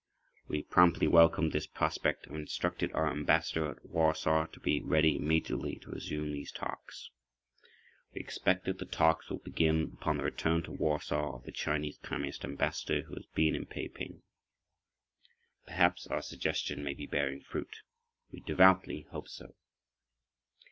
We promptly welcomed this prospect and instructed our Ambassador at Warsaw to be ready immediately to resume these talks. We expect that the talks will begin upon the return to Warsaw of the Chinese Communist Ambassador, who has been in Peiping. Perhaps our suggestion may be bearing fruit. We devoutly hope so.